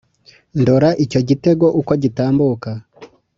Ndora icyo gitego uko gitambuka